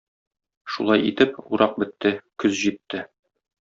Шулай итеп, урак бетте, көз җитте.